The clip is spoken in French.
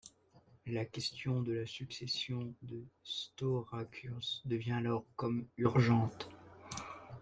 La question de la succession de Staurakios devient alors comme urgente.